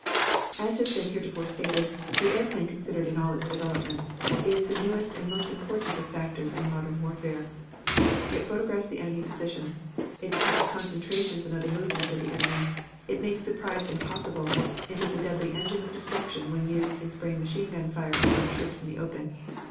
As has been heretofore stated, the airplane considered in all its developments, is the newest and most important of factors in modern warfare. It photographs the enemy positions, it detects concentrations and other movements of the enemy, it makes surprise impossible, it is a deadly engine of destruction when used in spraying machine gun fire upon troops in the open.